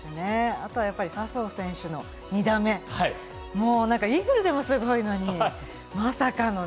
あとは笹生選手の２打目、イーグルでもすごいのに、まさかの。